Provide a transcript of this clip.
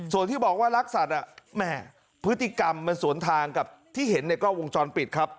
ส่วนที่บอกว่ารักสัตว์แม่พฤติกรรมมันสวนทางกับที่เห็นในกล้องวงจรปิดครับ